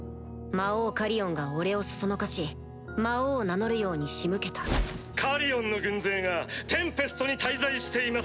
「魔王カリオンが俺を唆し魔王を名乗るように仕向けた」カリオンの軍勢がテンペストに滞在しています！